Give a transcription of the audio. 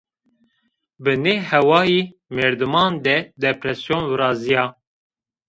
Bi nê hawayî, merdiman de depresyon virazîya